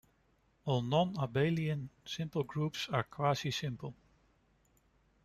All non-abelian simple groups are quasisimple.